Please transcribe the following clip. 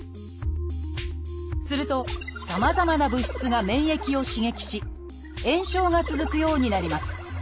するとさまざまな物質が免疫を刺激し炎症が続くようになります。